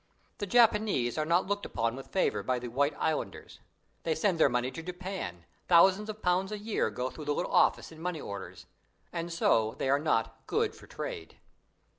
The Japanese are not looked upon with favor by the white islanders. They send their money to Japan thousands of pounds a year go through the little office in money orders and so they are not "good for trade".